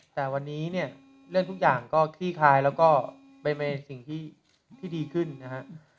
แต่วันนี้เนี่ยเรื่องทุกอย่างก็ขี้คายแล้วก็ไปในสิ่งที่ดีขึ้นนะฮะ